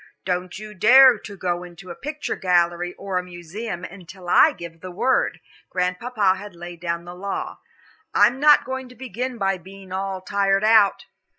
"Don't you dare to go into a picture gallery or a museum until I give the word," Grandpapa had laid down the law. "I'm not going to begin by being all tired out."